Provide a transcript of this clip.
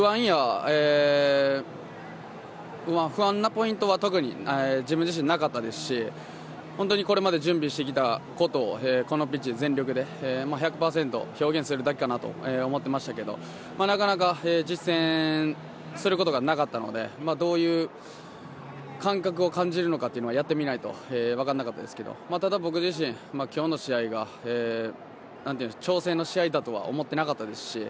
不安なポイントは特に自分自身なかったですし準備してきたことをこのピッチに全力で１００％表現するだけかなと思ってましたけど、なかなか実践することがなかったのでどういう感覚を感じるのかっていうのはやってみないと分からなかったですが僕自身、今日調整の試合だとは思ってなかったですし